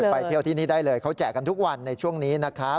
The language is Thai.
ไปเที่ยวที่นี่ได้เลยเขาแจกกันทุกวันในช่วงนี้นะครับ